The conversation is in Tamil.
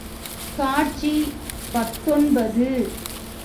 காட்சி பத்தொன்பது .